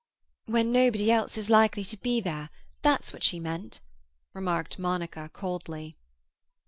"When nobody else is likely to be there; that's what she meant," remarked Monica coldly.